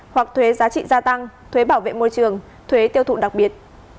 hoặc thuế giá trị gia tăng thuế bảo vệ môi trường thuế tiêu thụ đặc biệt